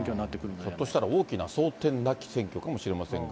ひょっとしたら大きな争点なき選挙なのかもしれませんが。